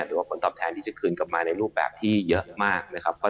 หรือว่าผลตอบแทนที่จะคืนกลับมาในรูปแบบที่เยอะมากนะครับ